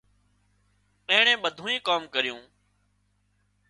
اينڻي ٻڌُونئي ڪام ڪريُون